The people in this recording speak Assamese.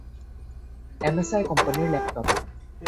এমএছআই কোম্পানীৰ লেপটপ